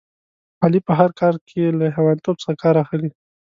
علي په هر کار کې له حیوانتوب څخه کار اخلي.